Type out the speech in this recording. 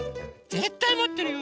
ぜったいもってるよ！